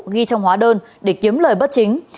ghi trong hóa đơn để kiếm lời bất chính